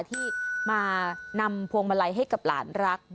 ที่มานำพวงมาลัยให้กับหลานรัก